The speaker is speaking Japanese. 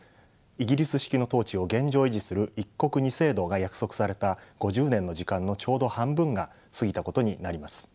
イギリス式の統治を現状維持する「一国二制度」が約束された５０年の時間のちょうど半分が過ぎたことになります。